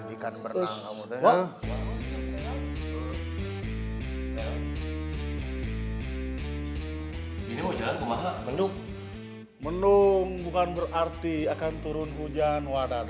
hai mino jalan kallard bunga menduk menunggu bukan berarti akan turun hujan badal